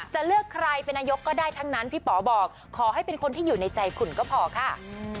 จะเลือกใครเป็นนายกก็ได้ทั้งนั้นพี่ป๋อบอกขอให้เป็นคนที่อยู่ในใจคุณก็พอค่ะ